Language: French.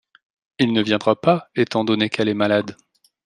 Il ne viendra pas étant donné qu'elle est malade.